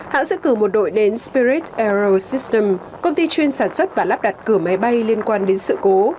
hãng giữ cử một đội đến spirit aerosystem công ty chuyên sản xuất và lắp đặt cửa máy bay liên quan đến sự cố